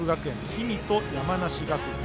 氷見と山梨学院